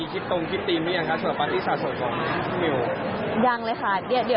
คิดตรงคิดตีนหรือยังคะสำหรับปราศิษย์อิสรส่วนสองยังเลยค่ะ